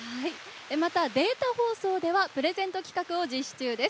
またデータ放送では、プレゼント企画を実施中です。